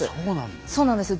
そうなんですね。